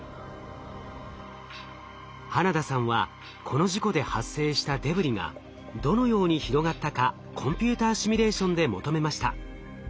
花田さんはこの事故で発生したデブリがどのように広がったかコンピューターシミュレーションで求めました。